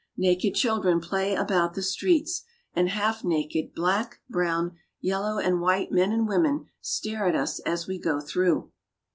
Naked children play about the streets, and half naked black, brown, yellow, and white men and women stare at us as we go through.